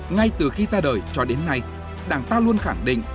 ngay từ khi ra đời cho đến nay đảng ta luôn khẳng định